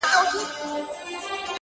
هره لاسته راوړنه ژمنتیا غواړي!